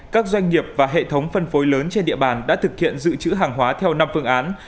các doanh nghiệp và hệ thống phân phối lớn trên địa bàn đã thực hiện dự trữ hàng hóa theo năm phương án